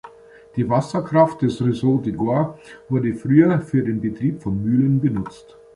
Die Wasserkraft des Ruisseau du Gour wurde früher für den Betrieb von Mühlen genutzt.